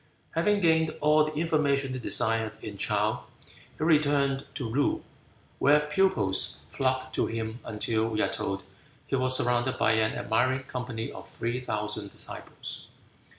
Having gained all the information he desired in Chow, he returned to Loo, where pupils flocked to him until, we are told, he was surrounded by an admiring company of three thousand disciples.